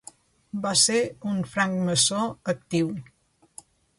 Va ser un francmaçó actiu.